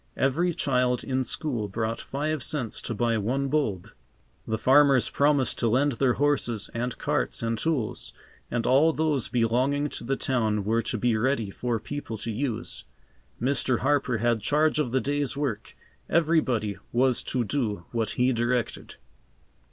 Every child in school brought five cents to buy one bulb. The farmers promised to lend their horses and carts and tools, and all those belonging to the town were to be ready for people to use. Mr. Harper had charge of the day's work. Everybody was to do what he directed.